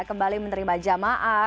kembali menerima jamaah